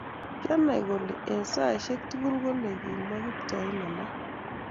kianai kole eng' saishek tugul kole kimwae Kiptoo imanda